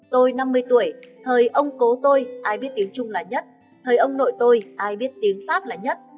tôi năm mươi tuổi thời ông cố tôi ai biết tiếng trung là nhất thời ông nội tôi ai biết tiếng pháp là nhất